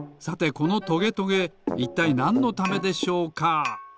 さてこのトゲトゲいったいなんのためでしょうか？